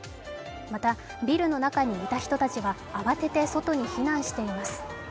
また、ビルの中にいた人たちは慌てて外に避難しています。